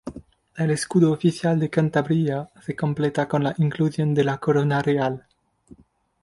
El escudo oficial de Cantabria se completa con la inclusión de la corona real.